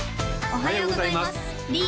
おはようございます・